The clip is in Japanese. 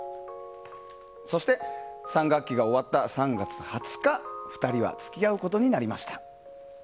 そして３学期が終わった３月２０日２人は付き合うことになりました。